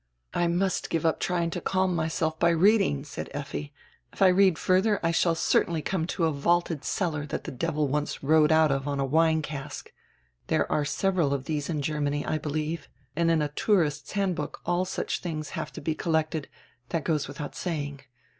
'" "I must give up dying to calm myself by reading," said Effi. "If I read furdier, I shall certainly come to a vaulted cellar diat die devil once rode out of on a wine cask. There are several of diese in Germany, I believe, and in a tourist's handbook all such tilings have to be collected; diat goes without saying.